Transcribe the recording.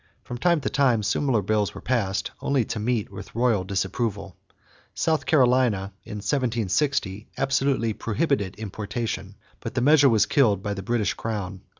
From time to time similar bills were passed, only to meet with royal disapproval. South Carolina, in 1760, absolutely prohibited importation; but the measure was killed by the British crown.